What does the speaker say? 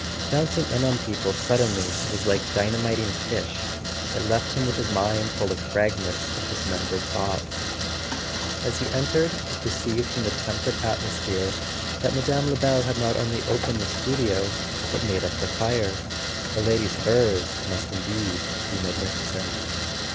Bouncing in on people suddenly was like dyna¬ miting fish: it left him with his mind full of fragments of dismembered thoughts. As he entered he perceived from the temperate atmosphere that Mme. Lebel had not only opened the studio but made up the fire. The lady's furs must indeed be magnificent.